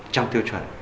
trong tiêu chuẩn